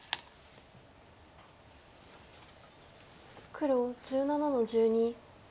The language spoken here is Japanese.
黒１７の十二。